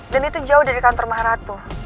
dan itu jauh dari kantor maharatu